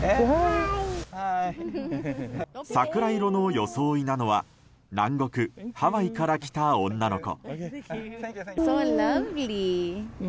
桜色の装いなのは南国ハワイから来た女の子。